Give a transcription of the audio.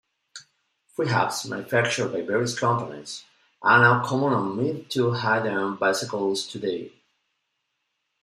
Freehubs, manufactured by various companies, are now common on mid- to high-end bicycles today.